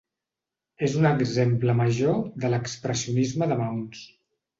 És un exemple major de l'expressionisme de maons.